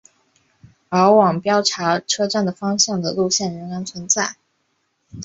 而往标茶车站方向的路线仍然存在。